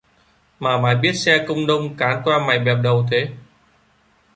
Mà mày biết xe công nông cán qua mày bẹp đầu thế